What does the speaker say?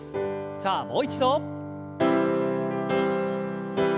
さあもう一度。